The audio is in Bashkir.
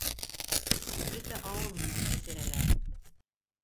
Бөтә ауыл менән эсерәләр.